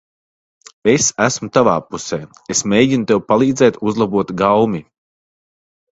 Es esmu tavā pusē. Es mēģinu tev palīdzēt uzlabot gaumi.